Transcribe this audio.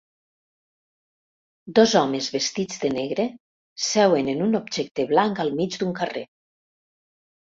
Dos homes vestits de negre seuen en un objecte blanc al mig d'un carrer.